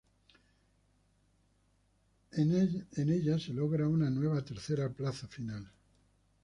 En la se logra una nueva tercera plaza final.